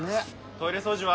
トイレ掃除は？